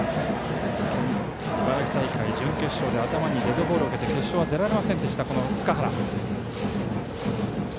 茨城大会準決勝で頭にデッドボールを受けて決勝は出られなかった打席の塚原。